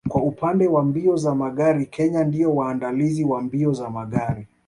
Kwa upande wa mbio za magari Kenya ndio waandalizi wa mbio za magari